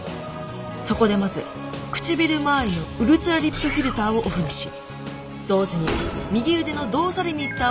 そこでまず唇回りのうるつやリップフィルターをオフにし同時に右腕の動作リミッターを解除。